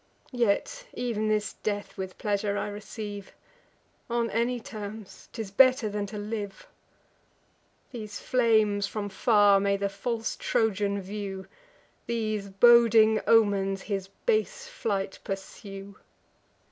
Yet ev'n this death with pleasure I receive: On any terms, 'tis better than to live. These flames, from far, may the false Trojan view; These boding omens his base flight pursue!"